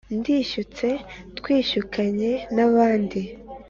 ndishyutse twishyukanye n'abandi